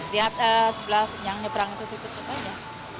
di atas sebelah yang nyebrang itu ditutup aja